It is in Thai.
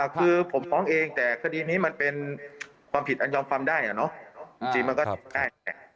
คือผมฟ้องเองแต่คดีนี้มันเป็นความผิดอันยอมความได้อะเนาะจริงมันก็ได้